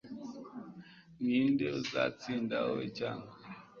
ninde uzatsinda, wowe cyangwa